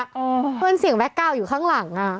มันเป็นเสียงแว็กกราวอยู่ข้างหลัง